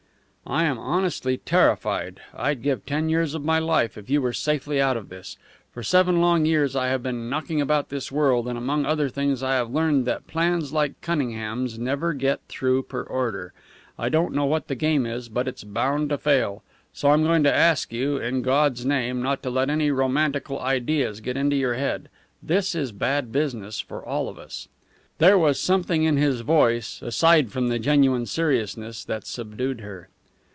"I am honestly terrified. I'd give ten years of my life if you were safely out of this. For seven long years I have been knocking about this world, and among other things I have learned that plans like Cunningham's never get through per order. I don't know what the game is, but it's bound to fail. So I'm going to ask you, in God's name, not to let any romantical ideas get into your head. This is bad business for all of us." There was something in his voice, aside from the genuine seriousness, that subdued her.